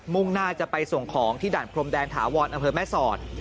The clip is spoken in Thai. มุ่งน่าจะไปส่งของที่ด่านพรมแดงถาวรอเผิดแม่สอด